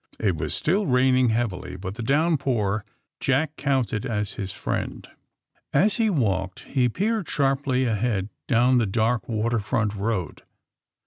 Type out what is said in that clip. '' It was still raining heavily, but the downpour Jack counted as his friend. As he walked he peered sharply ahead down the dark water front road.